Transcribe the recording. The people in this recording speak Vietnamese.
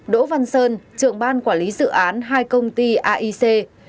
bốn đỗ văn sơn trưởng ban quản lý dự án hai công ty aic